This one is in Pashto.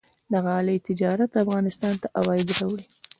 د غالۍ تجارت افغانستان ته عواید راوړي.